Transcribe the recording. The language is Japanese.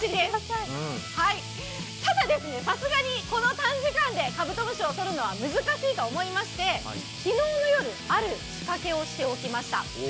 ただ、さすがにこの短時間でカブトムシをとるのは難しいということで昨日の夜、ある仕掛けをしておきました。